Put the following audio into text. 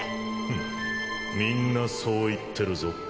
・フンッみんなそう言ってるぞ。